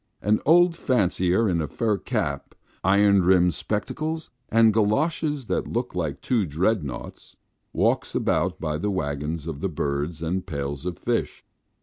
An old fancier in a fur cap, iron rimmed spectacles, and goloshes that look like two dread noughts, walks about by the waggons of birds and pails of fish.